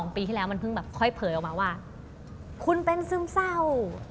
ปีที่แล้วมันเพิ่งแบบค่อยเผยออกมาว่าคุณเป็นซึมเศร้า